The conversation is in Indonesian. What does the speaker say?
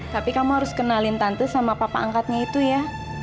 tapi kamu harus kenalin tante sama papa angkatnya itu ya